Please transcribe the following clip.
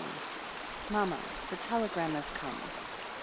XXVII ''Mama, the telegram has come.